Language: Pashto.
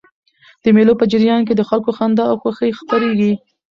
د مېلو په جریان کښي د خلکو خندا او خوښي خپریږي.